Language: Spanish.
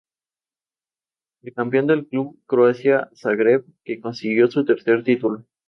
Falleció en el accidente de un avión militar, que en ese caso no pilotaba.